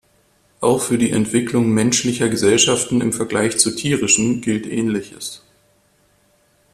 Auch für die Entwicklung menschlicher Gesellschaften im Vergleich zu tierischen gilt ähnliches.